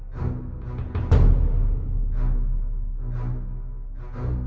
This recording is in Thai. โกนปีนโกนปีน